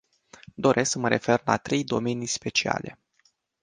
Doresc să mă refer la trei domenii speciale.